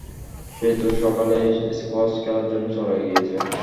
সে তো সকালেই স্কোয়াশ খেলার জন্য চলে গিয়েছে।